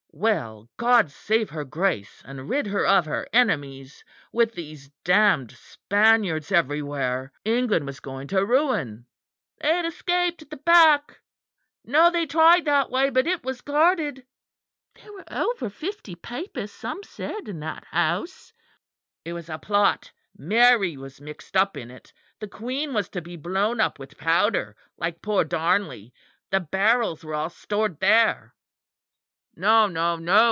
Well, God save her Grace and rid her of her enemies. With these damned Spaniards everywhere, England was going to ruin. They had escaped at the back. No; they tried that way, but it was guarded. There were over fifty papists, some said, in that house. It was a plot. Mary was mixed up in it. The Queen was to be blown up with powder, like poor Darnley. The barrels were all stored there. No, no, no!